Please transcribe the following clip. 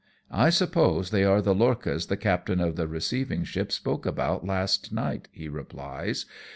" I suppose they are the lorchas the captain of the receiving ship spoke about last night," he replies.